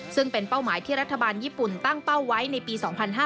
ซึ่งเป็นเป้าหมายที่รัฐบาลญี่ปุ่นตั้งเป้าไว้ในปี๒๕๕๙